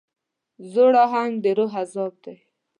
زوړ اهنګ د روح عذاب دی.